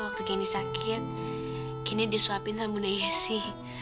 waktu candy sakit candy disuapin sama bunda yesi